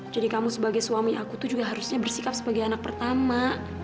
jadi kamu sebagai suami aku itu juga harusnya bersikap sebagai anak pertama